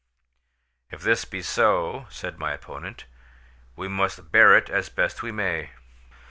"If this be so," said my opponent, "we must bear it as best we may."